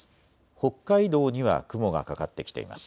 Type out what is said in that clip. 北海道には雲がかかってきています。